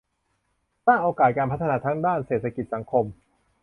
สร้างโอกาสการพัฒนาทั้งด้านเศรษฐกิจสังคม